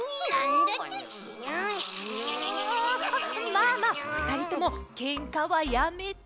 まあまあふたりともけんかはやめて！